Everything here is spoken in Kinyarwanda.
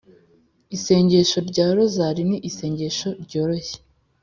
isengesho rya rozali ni isengesho ryoroshye